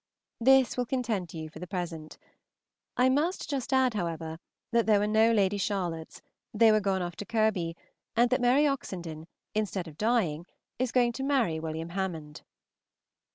This will content you for the present. I must just add, however, that there were no Lady Charlottes, they were gone off to Kirby, and that Mary Oxenden, instead of dying, is going to marry Wm. Hammond.